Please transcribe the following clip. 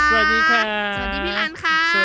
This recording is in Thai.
สวัสดีค่ะ